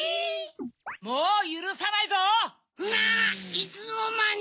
いつのまに！